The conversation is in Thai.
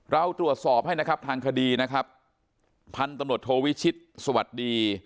เราตรวจสอบให้นะครับทางคดีนะครับพันธุ์ตำรวจโทวิชิตสวัสดี